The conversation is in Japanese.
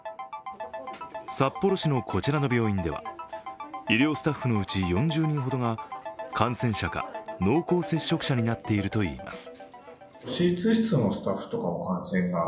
札幌市のこちらの病院では医療スタッフのうち４０人ほどが感染者か、濃厚接触者になっているといいます。